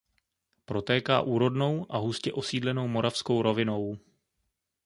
Protéká úrodnou a hustě osídlenou Moravskou rovinou.